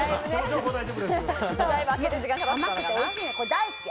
大好き！